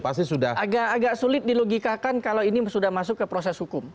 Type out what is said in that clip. agak agak sulit dilogikakan kalau ini sudah masuk ke proses hukum